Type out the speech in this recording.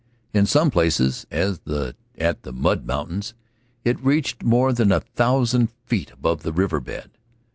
In some places, as at Mud Mountain, it reached more than a thousand feet above the river bed.